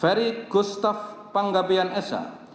ferry gustaf panggabian shmh